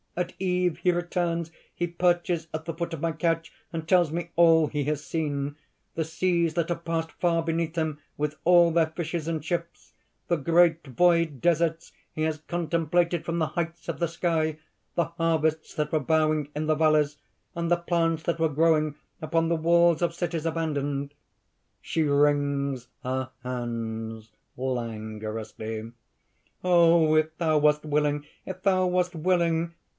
At eve he returns; he perches at the foot of my couch and tells me all he has seen the seas that have passed far beneath him with all their fishes and ships, the great void deserts he has contemplated from the heights of the sky, the harvests that were bowing in the valleys, and the plants that were growing upon the walls of cities abandoned." (She wrings her hands, languorously.) "Oh! if thou wast willing! if thou wast willing!...